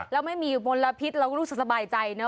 แล้วไม่มีมลพิษเราก็รู้สบายใจนะ